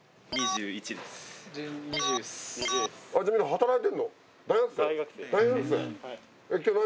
はい。